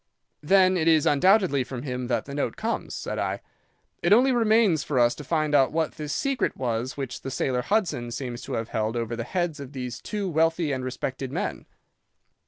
"'Then it is undoubtedly from him that the note comes,' said I. 'It only remains for us to find out what this secret was which the sailor Hudson seems to have held over the heads of these two wealthy and respected men.